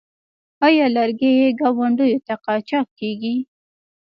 آیا لرګي ګاونډیو ته قاچاق کیږي؟